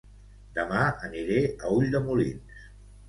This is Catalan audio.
Dema aniré a Ulldemolins